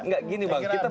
gak gini bang kita bukan